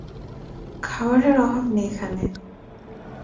খাবারের অভাব নেই এখানে।